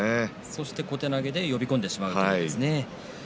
そして小手投げで呼び込んでしまうという形ですね。